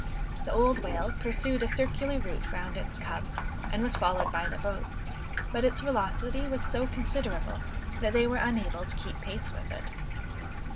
The old whale pursued a circular route round its cub, and was followed by the boats; but its velocity was so considerable, that they were unable to keep pace with it.